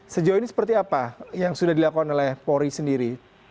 sejauh ini seperti apa yang sudah dilakukan oleh polri sendiri